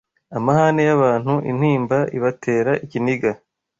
amahane y’abantu, intimba ibatera ikiniga